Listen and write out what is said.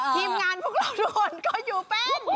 ทีมงานพวกเราทุกคนก็อยู่เป็น